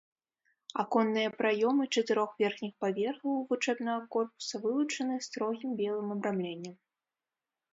Аконныя праёмы чатырох верхніх паверхаў вучэбнага корпуса вылучаны строгім белым абрамленнем.